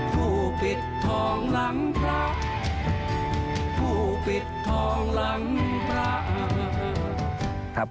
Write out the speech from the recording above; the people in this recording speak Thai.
ผู้ปิดทองหลังพระ